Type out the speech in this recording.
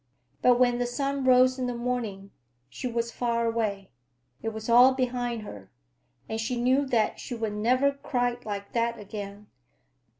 But when the sun rose in the morning, she was far away. It was all behind her, and she knew that she would never cry like that again.